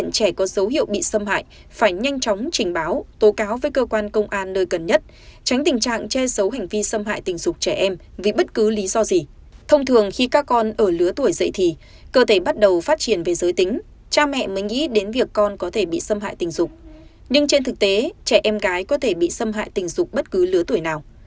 nhưng trên thực tế trẻ em gái có thể bị xâm hại tình dục bất cứ lứa tuổi nào